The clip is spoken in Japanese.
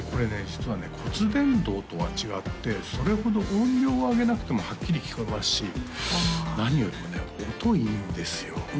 実はね骨伝導とは違ってそれほど音量を上げなくてもはっきり聴こえますし何よりもね音いいんですよ